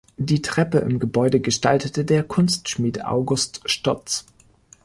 Die Treppe im Gebäude gestaltete der Kunstschmied August Stotz.